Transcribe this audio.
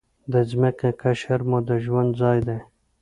د ځمکې قشر مو د ژوند ځای دی.